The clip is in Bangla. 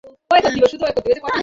একটু শুনবে, ডেভিড?